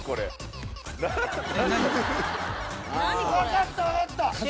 分かった、分かった！